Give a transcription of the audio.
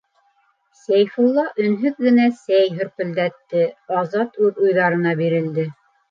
Сәйфулла өнһөҙ генә сәй һөрпөлдәтте Азат үҙ уйҙарына бирелде.